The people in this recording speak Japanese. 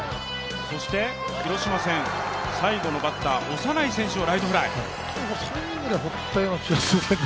そして広島戦、最後のバッターをライトフライ。